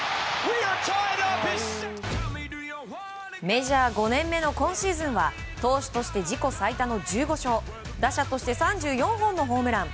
メジャー５年目の今シーズンは投手として自己最多の１５勝打者として３４本のホームラン